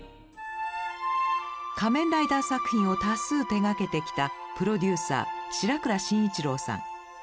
「仮面ライダー」作品を多数手がけてきたプロデューサー白倉伸一郎さん。